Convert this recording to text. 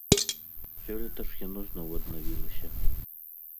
Сёлета ж яно зноў аднавілася.